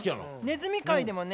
ねずみ界でもね